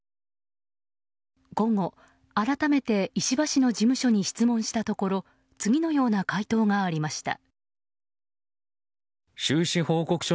午後、改めて石破氏の事務所に質問したところ次のような回答がありました。